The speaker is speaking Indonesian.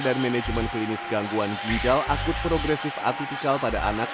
dan manajemen klinis gangguan ginjal akut progresif atipikal pada anak